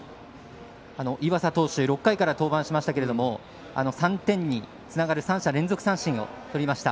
岩佐投手６回から登板しましたが３点につながる３者連続三振をとりました。